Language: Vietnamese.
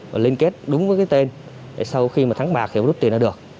và liên kết đúng với cái tên để sau khi mà thắng bạc thì đốt tiền là được